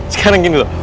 sekarang gini dulu